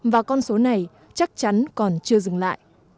và con số này chắc chắn còn chưa dừng lại